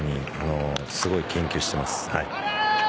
すごい研究してます。